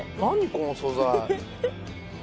この素材。